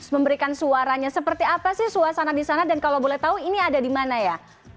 memberikan suaranya seperti apa sih suasana di sana dan kalau boleh tahu ini ada di mana ya